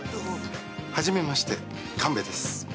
初めまして、神戸です。